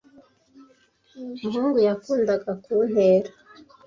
muhungu yakundaga kuntera.